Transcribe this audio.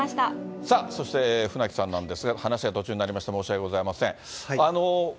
そして、船木さんなんですが、話が途中になりまして申し訳ございません。